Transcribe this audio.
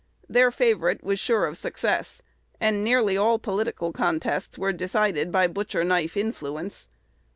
Their favorite was sure of success; and nearly all political contests were decided by "butcher knife influence."